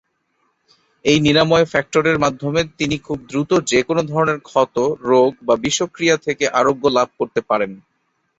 এই নিরাময় ফ্যাক্টরের মাধ্যমে তিনি খুব দ্রুত যেকোন ধরনের ক্ষত, রোগ বা বিষক্রিয়া থেকে আরোগ্য লাভ করতে পারেন।